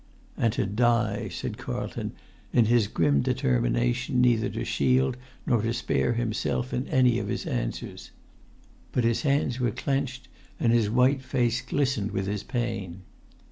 "And to die!" said Carlton, in his grim determination neither to shield nor to spare himself in any of his answers. But his hands were clenched, and his white face glistened with his pain.